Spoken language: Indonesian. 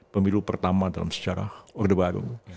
pemilu pertama dalam sejarah orde baru